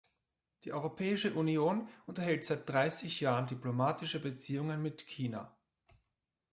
Die Europäische Union unterhält seit dreißig Jahren diplomatische Beziehungen mit China.